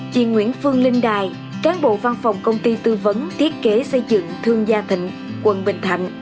chị nguyễn phương linh đài cán bộ văn phòng công ty tư vấn thiết kế xây dựng thương gia thịnh quận bình thạnh